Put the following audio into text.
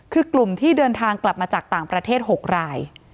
คือกลุ่มที่เดินทางกลับมาจากต่างประเทศ๖ราย